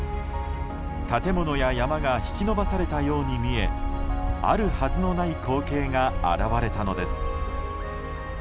建物や山が引き伸ばされたように見えあるはずのない光景が現れたのです。